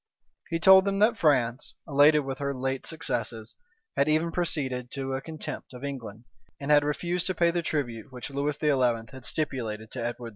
He told them, that France, elated with her late successes, had even proceeded to a contempt of England, and had refused to pay the tribute which Lewis XI had stipulated to Edward IV.